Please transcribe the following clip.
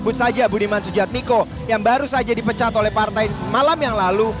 sebut saja budiman sujatmiko yang baru saja dipecat oleh partai malam yang lalu